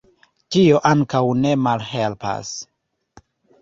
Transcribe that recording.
Tio ankaŭ ne malhelpas.